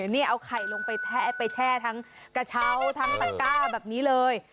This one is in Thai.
นี่เอาไข่ลงไปแช่ทั้งกระเช้าทั้งตะก้าแบบนี้เลย